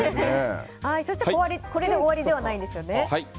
そして、これで終わりではないんですよね。